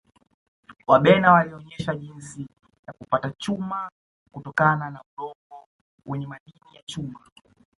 wabena walionesha jinsi ya kupata chuma kutokana na udongo wenye madini ya chuma